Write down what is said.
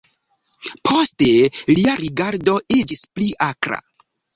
Poste lia rigardo iĝis pli akra.